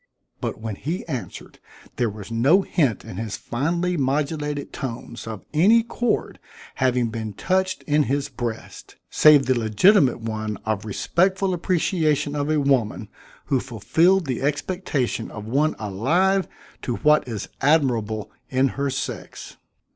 But when he answered, there was no hint in his finely modulated tones of any chord having been touched in his breast, save the legitimate one of respectful appreciation of a woman who fulfilled the expectation of one alive to what is admirable in her sex.